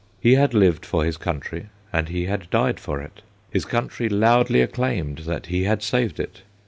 He had lived for his country, and he had died for it. His country loudly acclaimed that he had saved it.